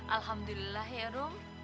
alhamdulillah ya rom